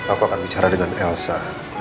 aku akan bicara dengan elsa